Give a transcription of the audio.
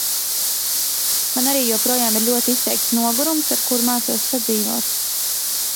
Man arī joprojām ir ļoti izteikts nogurums, ar kuru mācos sadzīvot.